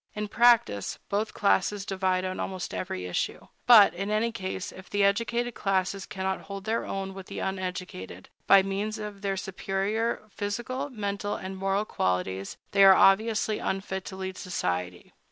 In practice, both classes divide on almost every issue. But, in any case, if the educated classes cannot hold their own with the uneducated, by means of their superior physical, mental, and moral qualities, they are obviously unfit to lead society.